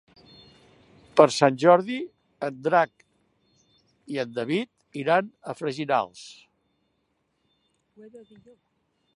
Per Sant Jordi en Drac i en David iran a Freginals.